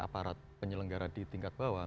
aparat penyelenggara di tingkat bawah